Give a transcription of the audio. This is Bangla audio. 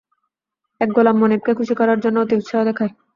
এক গোলাম মনিবকে খুশি করার জন্য অতি উৎসাহ দেখায়।